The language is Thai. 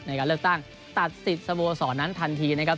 ในการเลือกตั้งตัดสิทธิ์สโมสรนั้นทันทีนะครับ